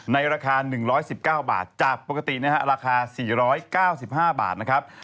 ในราคา๑๑๙บาทจากปกตินะฮะราคา๔๙๕บาทนะครับ